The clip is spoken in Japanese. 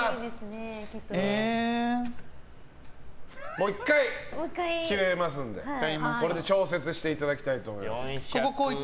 もう１回、切れますのでこれで調節していただきたいと思います。